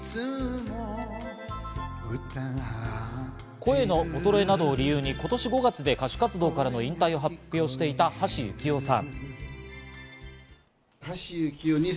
声の衰えなどを理由に今年５月で歌手活動からの引退を発表していた橋幸夫さん。